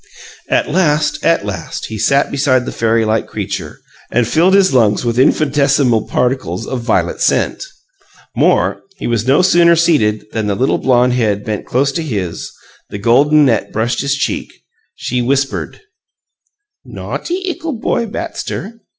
At last, at last, he sat beside the fairy like creature, and filled his lungs with infinitesimal particles of violet scent. More: he was no sooner seated than the little blonde head bent close to his; the golden net brushed his cheek. She whispered: "No'ty ickle boy Batster!